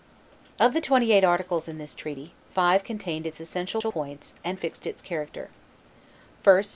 Of the twenty eight articles in this treaty, five contained its essential points and fixed its character: 1st.